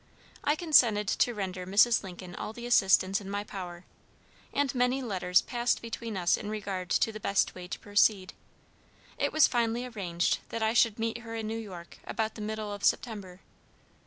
I consented to render Mrs. Lincoln all the assistance in my power, and many letters passed between us in regard to the best way to proceed. It was finally arranged that I should meet her in New York about the middle of September.